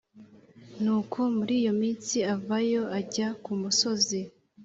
nuko muri iyo minsi avayo ajya ku musozi